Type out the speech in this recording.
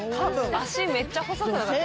脚めっちゃ細くなかった？